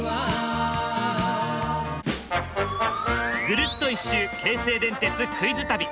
ぐるっと１周京成電鉄クイズ旅。